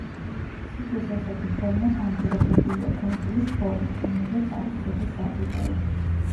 ციხის ესეთი ფორმა განპირობებულია კუნძულის ფორმით, რომელზეც არის ციხის საძირკველი.